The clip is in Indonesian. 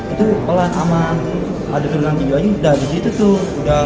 itu pelan sama ada ternyata juga udah di situ tuh udah